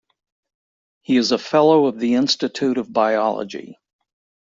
He is a Fellow of the Institute of Biology.